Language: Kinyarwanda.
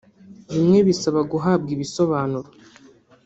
bimwe bisaba guhabwa ibisobanuro